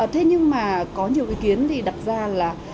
thế nhưng mà có nhiều ý kiến thì đặt ra là